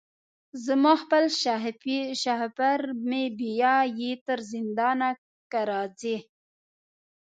زما خپل شهپر مي بیايي تر زندانه که راځې